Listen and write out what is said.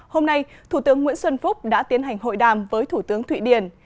hôm nay thủ tướng nguyễn xuân phúc đã tiến hành hội đàm với thủ tướng thụy điển